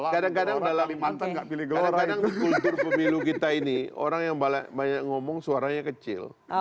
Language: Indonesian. kadang kadang dalam kultur pemilu kita ini orang yang banyak ngomong suaranya kecil